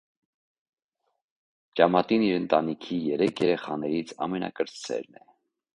Ջամատին իր ընտանիքի երեք երեխաներից ամենակրտսերն է։